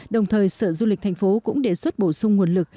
đồng thời sở du lịch thành phố cũng đề xuất bổ sung nguồn lực